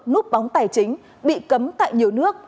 núp bóng tài chính bị cấm tại nhiều nước